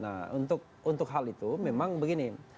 nah untuk hal itu memang begini